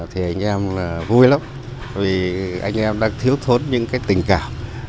thì anh em vui lắm vì anh em đang thiếu thốn những tình cảm